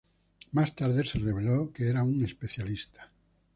Más tarde se reveló que era un especialista.